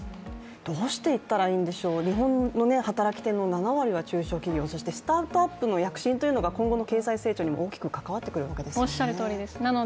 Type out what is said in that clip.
どうしていったらいいんでしょう日本の働き手の７割が中小企業、そしてスタートアップの躍進が今後の経済成長にも大きく関わってきますよね